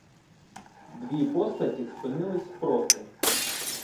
Дві постаті спинились проти.